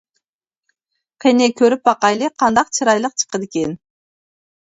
قېنى كۆرۈپ باقايلى قانداق چىرايلىق چىقىدىكىن.